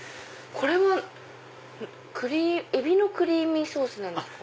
これはエビのクリーミーソースですか？